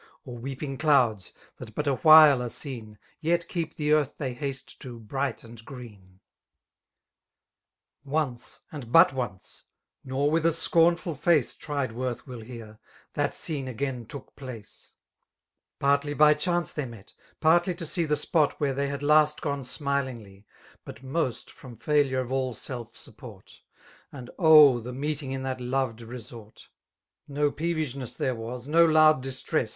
Or weepiog ckmds^ that but a whUe ar« seeti^ Yet keep the earth they hMte to« In ight and gteetkl Once^ and but once^ ^ ^ioir with a ffcomfnlliior Tried wotHh trill hear^^ ^that scene again took place* Partly by chanee they met, paitly to ste The spot where they had last go»Be smilingly^ But most, from Mhire cf M self support} ^ And ohl the meeting in that lored resort t No peevishness there was, no lovd distress.